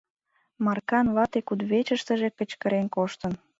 — Маркан вате кудывечыштыже кычкырен коштын.